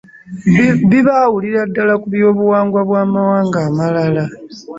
Bibaawulira ddala ku byobuwangwa bw’Amawanga amalala.